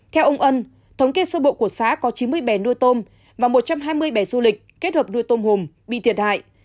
theo ông ân thống kê sơ bộ của xã có chín mươi bè nuôi tôm và một trăm hai mươi bè du lịch kết hợp nuôi tôm hùm bị thiệt hại